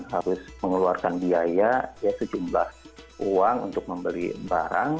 harus mengeluarkan biaya sejumlah uang untuk membeli barang